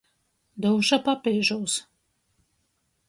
Dūša papīžūs.